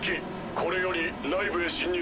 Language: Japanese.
これより内部へ侵入する。